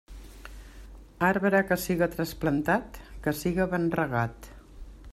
Arbre que siga trasplantat, que siga ben regat.